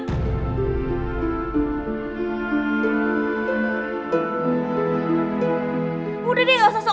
ibu tau gak sih kalau selama ini ibu tuh udah jadi beban buat kita berdua